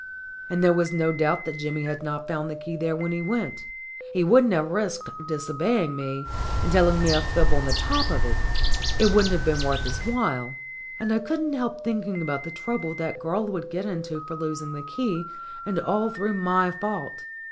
And there was no doubt that Jimmy had not found the key there when he went ; he wouldn't have risked disobeying me and telling me a fib on the top of it; it wouldn't have been worth his while. And I couldn't help thinking about the trouble that girl would get into for losing the key, and all through my fault.